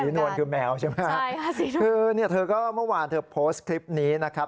นวลคือแมวใช่ไหมคือเนี่ยเธอก็เมื่อวานเธอโพสต์คลิปนี้นะครับ